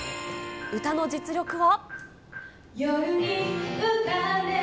歌の実力は。